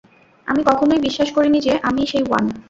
আমি কখনোই বিশ্বাস করিনি যে আমিই সেই ওয়ান।